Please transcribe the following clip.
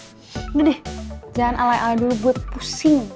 udah deh jangan alay alay dulu buat pusing